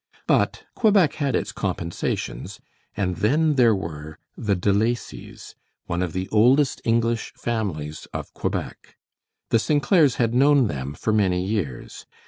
But Quebec had its compensations, and then there were the De Lacys, one of the oldest English families of Quebec. The St. Clairs had known them for many years.